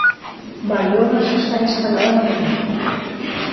Baiona xa está instalada no medievo.